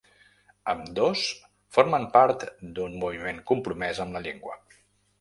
Ambdós formen part d’un moviment compromès amb la llengua.